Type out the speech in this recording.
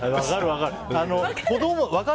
分かる、分かる。